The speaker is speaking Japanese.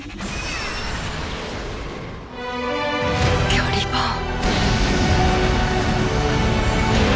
キャリバーン。